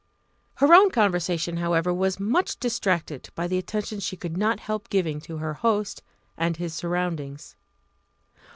Her own conversation, however, was much distracted by the attention she could not help giving to her host and his surroundings.